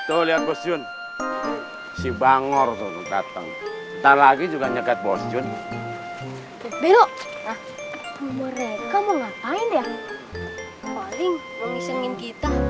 tuh lihat bos jun si bangor dateng dateng lagi juga nyegat bos jun belok belok